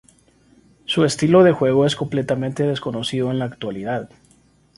Su estilo de juego es completamente desconocido en la actualidad.